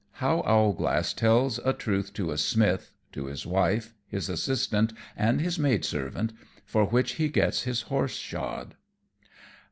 _How Owlglass tells a Truth to a Smith, to his Wife, his Assistant, and his Maidservant, for which he gets his Horse shod.